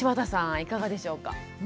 いかがでしょうか？